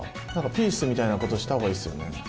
ピースみたいなことした方がいいっすよね。